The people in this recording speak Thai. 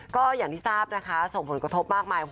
ก็อย่างที่ทราบนะคะส่งผลกระทบมากมาย